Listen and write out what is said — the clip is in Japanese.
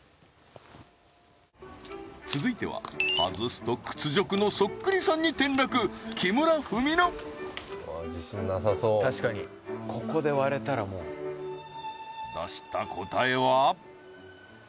続いては外すと屈辱のそっくりさんに転落うわ自信なさそう確かにここで割れたらもう出した答えは？